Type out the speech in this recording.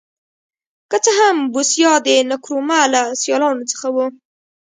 که څه هم بوسیا د نکرومه له سیالانو څخه و.